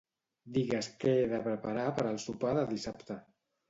Digues què he de preparar per al sopar de dissabte.